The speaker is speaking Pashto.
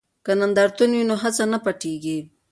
که نندارتون وي نو هڅه نه پټیږي.